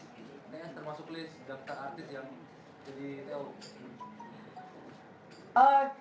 termasuk list jakarta artis yang jadi to